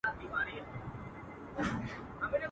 د ګدا لور ښایسته وه تکه سپینه.